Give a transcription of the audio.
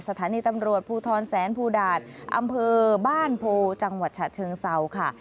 สถานีตำรวจภูทรแสนภูดาตอำเภอบ้านโพจังหวัดฉะเชิงเซาค่ะ